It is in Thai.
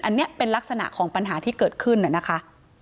อันนี้เป็นลักษณะของปัญหาที่เกิดขึ้นนะคะ